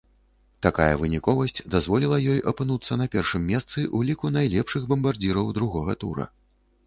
Такая выніковасць дазволіла ёй апынуцца на першым месцы ў ліку найлепшых бамбардзіраў другога тура.